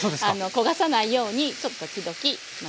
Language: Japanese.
焦がさないようにちょっと時々混ぜて。